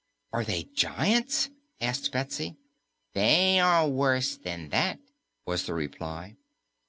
"Are they giants?" asked Betsy. "They are worse than that," was the reply.